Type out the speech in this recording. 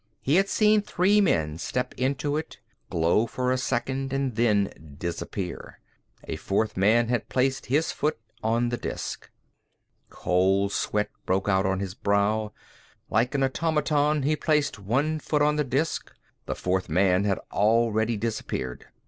He had seen three men step into it, glow for a second, and then disappear. A fourth man had placed his foot on the disk. Cold sweat stood out on his brow. Like an automaton he placed one foot on the disk. The fourth man had already disappeared.